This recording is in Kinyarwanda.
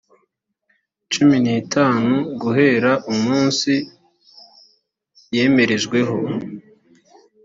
cumi n itanu guhera umunsi yemerejweho